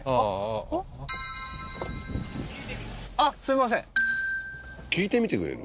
下りません聞いてみてくれる？